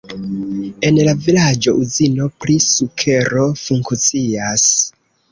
En la vilaĝo uzino pri sukero funkcias.